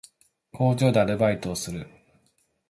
工場でアルバイトをする